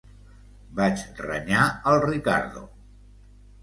Vaig renyar el Riccardo.